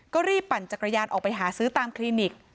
ก็รีบปั่นจักรยานออกไปหาซื้อตามคลินิก